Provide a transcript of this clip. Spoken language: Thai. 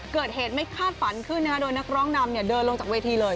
เกิดเหตุไม่คาดฝันขึ้นโดยนักร้องนำเดินลงจากเวทีเลย